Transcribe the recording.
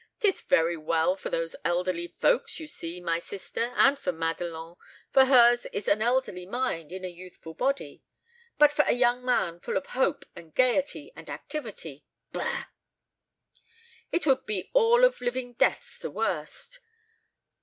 'Tis very well for those elderly folks, you see, my sister, and for Madelon for hers is an elderly mind in a youthful body; but for a young man full of hope and gaiety and activity bah! It would be of all living deaths the worst.